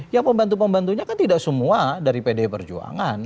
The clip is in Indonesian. ya pembantu pembantunya kan tidak semua dari pdi perjuangan